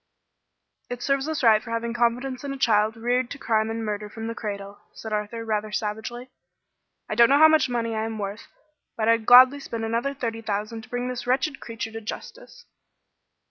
"It serves us right for having confidence in a child reared to crime and murder from the cradle," said Arthur, rather savagely. "I don't know how much money I am worth, but I'd gladly spend another thirty thousand to bring this wretched creature to justice."